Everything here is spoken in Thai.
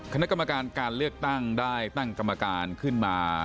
คณะกรรมการการเลือกตั้งได้ตั้งกรรมการขึ้นมา